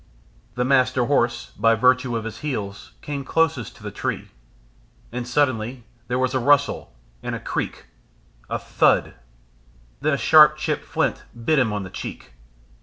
The Master Horse, by virtue of his heels, came closest to the tree. And suddenly there was a rustle and a creak, a thud.... Then a sharp chipped flint bit him on the cheek.